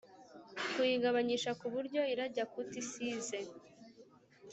kuyigabanyisha kuburyo irajya kuti size”